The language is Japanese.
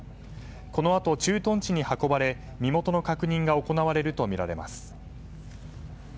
このあと、駐屯地に運ばれ身元の確認が行われるとみられます。